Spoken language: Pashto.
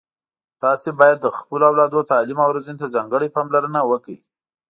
تاسو باید د خپلو اولادونو تعلیم او روزنې ته ځانګړي پاملرنه وکړئ